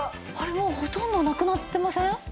もうほとんどなくなってません？